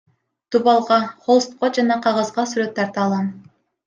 Дубалга, холстко жана кагазга сүрөт тарта алам.